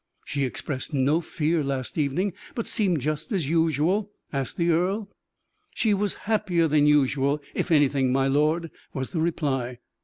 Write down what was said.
"She expressed no fear last evening, but seemed just as usual?" asked the earl. "She was happier than usual, if anything, my lord," was the reply.